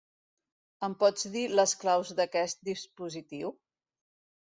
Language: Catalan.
Em pots dir les claus d'aquest dispositiu?